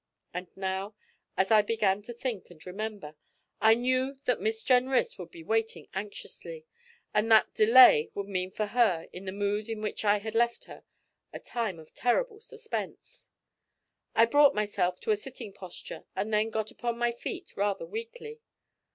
And now, as I began to think and remember, I knew that Miss Jenrys would be waiting anxiously, and that delay would mean for her, in the mood in which I had left her, a time of terrible suspense. I brought myself to a sitting posture, and then got upon my feet, rather weakly.